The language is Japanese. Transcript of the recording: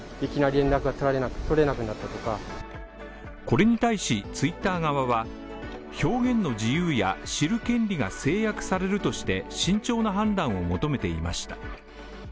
これに対しＴｗｉｔｔｅｒ側は表現の自由や知る権利が制約されるとして慎重な判断を求めていました。